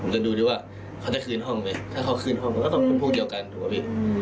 ถ้าเขาคืนห้องไปเถอะคือพวกเดี๋ยวกันถูกปะปี้